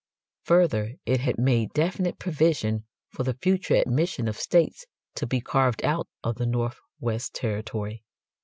Further, it had made definite provision for the future admission of states to be carved out of the Northwest territory.